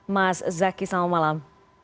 mas zaki selamat malam